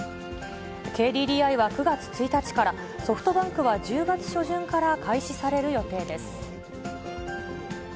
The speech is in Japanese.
ＫＤＤＩは９月１日から、ソフトバンクは１０月初旬から開始される予定です。